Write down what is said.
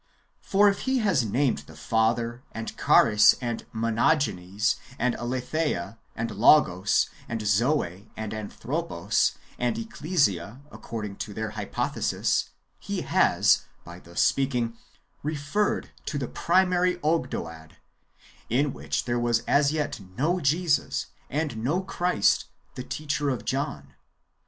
For if he has named the Father, and Charis, and Monogenes, and Aletheia, and Logos, and Zoe, and Anthropos, and Ecclesia, according to their hypothesis, he has, by thus speaking, re ferred to the primary Ogdoad, in which there was as yet no Jesus, and no Christ, the teacher of John.